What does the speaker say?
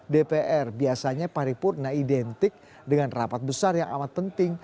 dpr biasanya paripurna identik dengan rapat besar yang amat penting